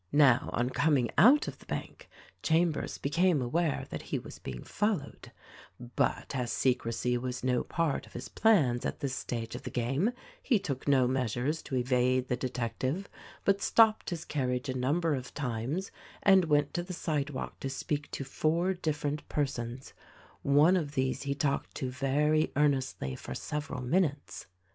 Now, on coming out of the Bank, Chambers became aware that he was being followed ; but, as secrecy was no part of his plans at this stage of the game, he took no meas ures to evade the detective but stopped his carriage a num ber of times and went to the sidewalk to speak to four dif ferent persons — one of these he talked to very earnestly for several minutes.